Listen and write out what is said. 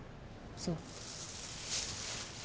そう。